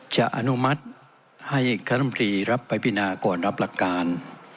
จะอนุมัติให้การัมภีร์รับบาปีนาก่อนรับหลักการ